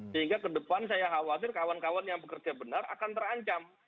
sehingga ke depan saya khawatir kawan kawan yang bekerja benar akan terancam